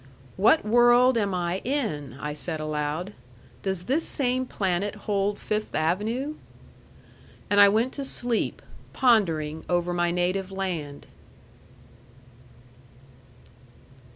"What world am I in?" I said aloud. "Does this same planet hold Fifth Avenue?" And I went to sleep, pondering over my native land.